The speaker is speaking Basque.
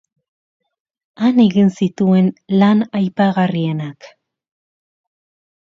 Han egin zituen lan aipagarrienak.